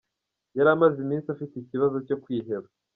Yari amaze iminsi afite ikibazo cyo kwiheba.